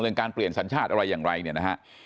การเปลี่ยนสัญชาติอะไรอย่างไรเนี่ยนะฮะ